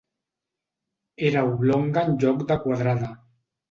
Era oblonga en lloc de quadrada.